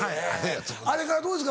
あれからどうですか？